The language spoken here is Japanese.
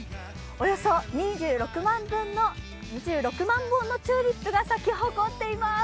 およそ２６万本のチューリップが咲き誇っています。